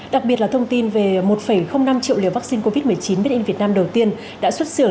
đặc biệt là thông tin về một năm triệu liều vaccine covid một mươi chín bên việt nam đầu tiên đã xuất xưởng